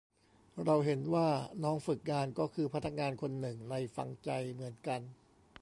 เราเห็นว่าน้องฝึกงานก็คือพนักงานคนหนึ่งในฟังใจเหมือนกัน